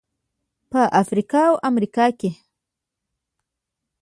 په افریقا او امریکا کې.